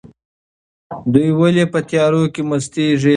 دوی ولې په تیارو کې مستیږي؟